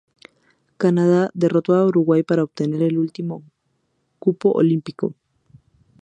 Canadá derrotó a Uruguay para obtener el último cupo olímpico.